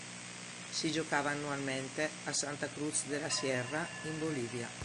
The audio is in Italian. Si giocava annualmente a Santa Cruz de la Sierra in Bolivia.